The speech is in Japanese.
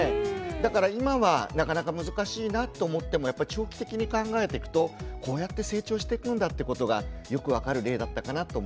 だから今はなかなか難しいなと思ってもやっぱ長期的に考えてくとこうやって成長してくんだってことがよく分かる例だったかなと思います。